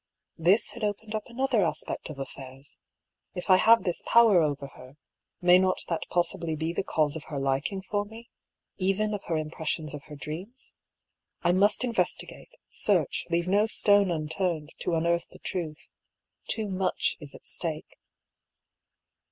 This had opened up another aspect of affairs. If I have this power oyer her, may not that possibly be the cause of her liking for me — even of her impressions of her dreams ? I must inyestigate, search, leave no stone unturned to unearth the truth. Too much is at stake.